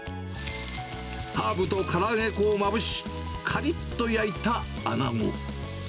ハーブとから揚げ粉をまぶし、かりっと焼いたアナゴ。